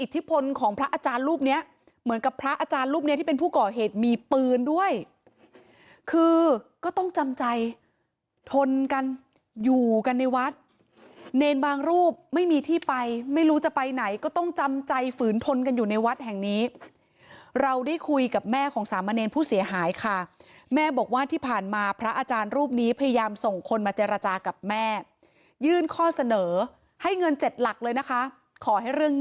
ทนของพระอาจารย์รูปเนี้ยเหมือนกับพระอาจารย์รูปเนี้ยที่เป็นผู้ก่อเหตุมีปืนด้วยคือก็ต้องจำใจทนกันอยู่กันในวัดเนรนด์บางรูปไม่มีที่ไปไม่รู้จะไปไหนก็ต้องจำใจฝืนทนกันอยู่ในวัดแห่งนี้เราได้คุยกับแม่ของสามเมรนดร์ผู้เสียหายค่ะแม่บอกว่าที่ผ่านมาพระอาจารย์รูปนี้พยายามส่งคนมาเจ